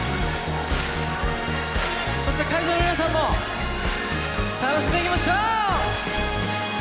そして会場の皆さんも楽しんでいきましょう！